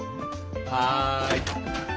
はい。